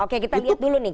oke kita lihat dulu nih